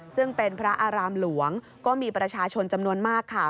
ซึ่งเป็นพระอารามหลวงก็มีประชาชนจำนวนมากค่ะ